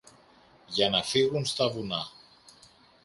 για να φύγουν στα βουνά